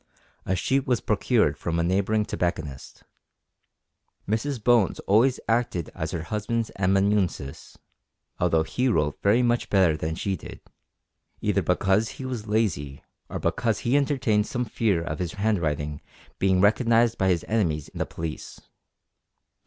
A sheet was procured from a neighbouring tobacconist. Mrs Bones always acted as her husband's amanuensis (although he wrote very much better than she did), either because he was lazy, or because he entertained some fear of his handwriting being recognised by his enemies the police!